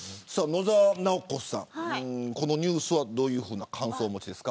野沢直子さん、このニュースはどんな感想をお持ちですか。